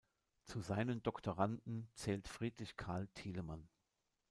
Zu seinen Doktoranden zählt Friedrich-Karl Thielemann.